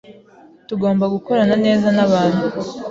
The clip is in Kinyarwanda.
Tugomba gukorana neza nabantu.